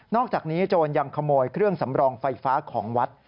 อกจากนี้โจรยังขโมยเครื่องสำรองไฟฟ้าของวัด